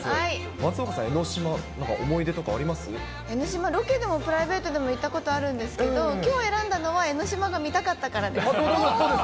松岡さん、江の島、なんか思い出江の島、ロケでもプライベートでも行ったことあるんですけど、きょう選んだのは、江の島が見たどうです？